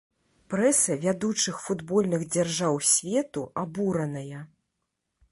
Прэса вядучых футбольных дзяржаў свету абураная.